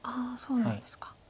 そうなんですか。